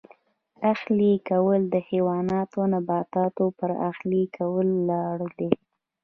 اهلي کول د حیواناتو او نباتاتو پر اهلي کولو ولاړ دی